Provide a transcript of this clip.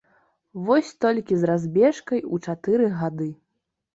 Вось толькі з разбежкай у чатыры гады.